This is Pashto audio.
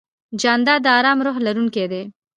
جانداد د ارام روح لرونکی دی.